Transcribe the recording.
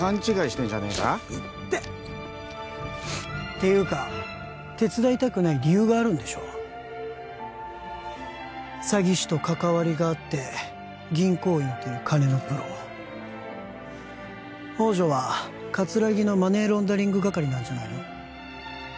ていうか手伝いたくない理由があるんでしょ詐欺師と関わりがあって銀行員っていう金のプロ宝条は桂木のマネーロンダリング係なんじゃないの？